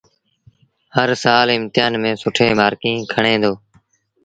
هرسآل امتهآݩ ميݩ سيٚٺين مآرڪيٚݩ کڻي دو